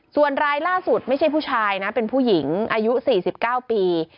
ส่วนรายล่าสุดไม่ใช่ผู้ชายนะเป็นผู้หญิงอายุ๔๙ปี